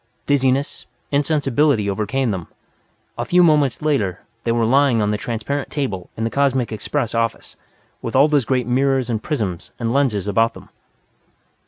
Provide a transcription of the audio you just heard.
Dizziness, insensibility overcame them. A few moments later, they were lying on the transparent table in the Cosmic Express office, with all those great mirrors and prisms and lenses about them.